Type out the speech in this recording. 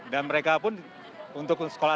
dan mereka pun untuk sekolah